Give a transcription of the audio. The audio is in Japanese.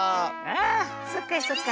ああそうかそうか。